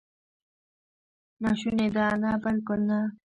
ناشونې ده؟ نه، بالکل نه!